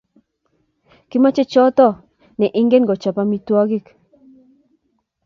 Kimache choto ne ingen kochap amitwakik